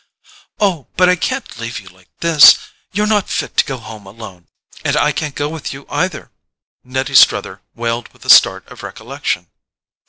"Oh, but I can't leave you like this—you're not fit to go home alone. And I can't go with you either!" Nettie Struther wailed with a start of recollection.